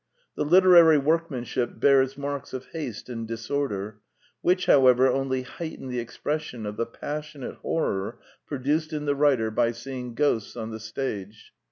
The literary workmanship bears marks of haste and disorder, which, however, only heighten the expression of the passionate horror produced in the writer by seeing Ghosts on the stage.